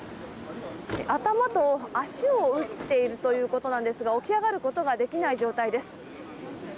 頭と足を打っているということなんですが起き上がることができない状態です。